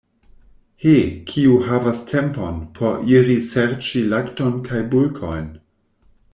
He, kiu havas tempon, por iri serĉi lakton kaj bulkojn!